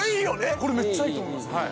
これめっちゃいいと思います